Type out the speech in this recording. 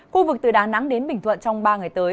khu vực từ đà nẵng đến bình thuận trong ba ngày tới